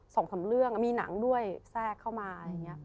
สองสามเรื่องมีหนังด้วยแทรกเข้ามาอะไรอย่างนี้